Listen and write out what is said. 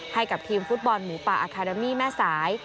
ให้กับทีมฟุตบอลหมูป่าอาคาเดมี่แม่สาย